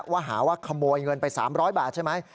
ว่าหาว่าขโมยเงินไป๓๐๐บาทใช่ไหม